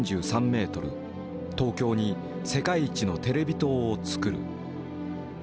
東京に世界一のテレビ塔を造る。